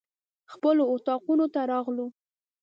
خپلو اطاقونو ته راغلو.